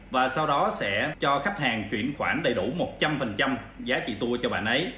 và sau đó sẽ cho khách hàng chuyển khoản đầy đủ một trăm linh giá trị tour cho bạn ấy